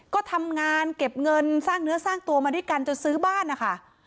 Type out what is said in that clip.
ก็ทำงานเก็บเงินสร้างเนื้อสร้างตัวมาด้วยกันจนซื้อบ้านนะคะ